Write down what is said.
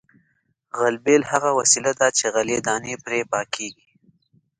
غلبېل هغه وسیله ده چې غلې دانې پرې پاکیږي